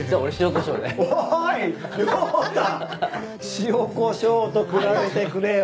塩コショウと比べてくれよ